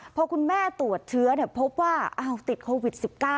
พอคุณแม่ตรวจเชื้อพบว่าติดโควิด๑๙